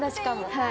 はい。